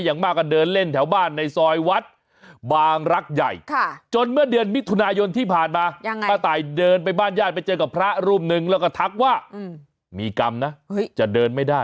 อย่างมากก็เดินเล่นแถวบ้านในซอยวัด